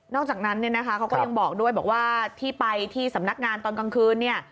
อกจากนั้นเนี่ยนะคะเขาก็ยังบอกด้วยบอกว่าที่ไปที่สำนักงานตอนกลางคืนเนี่ย